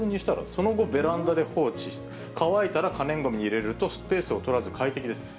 その後ベランダで放置、乾いたら可燃ごみに入れるとスペースを取らず快適ですと。